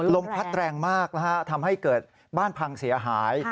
ลมพัดแรงมากนะฮะทำให้เกิดบ้านพังเสียหาย